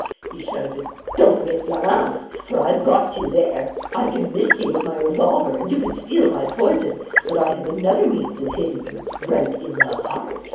he shouted. "Don't forget Florence! For I've got you there! I can miss you with my revolver and you can steal my poison; but I have another means of hitting you, right in the heart.